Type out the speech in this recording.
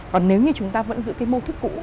còn nếu như chúng ta vẫn giữ cái mô thức cũ